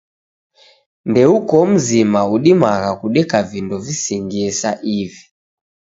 Ndeuko mzima udimagha kudeka vindo visingie sa ivi.